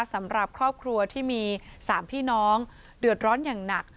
สำหรับครอบครัวที่มี๓พี่น้องเดือดร้อนอย่างหนัก